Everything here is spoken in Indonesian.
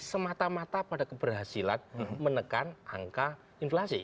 semata mata pada keberhasilan menekan angka inflasi